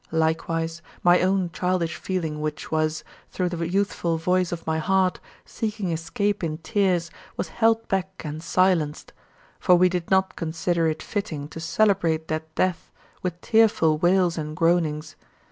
Likewise, my own childish feeling which was, through the youthful voice of my heart, seeking escape in tears, was held back and silenced. For we did not consider it fitting to celebrate that death with tearful wails and groanings.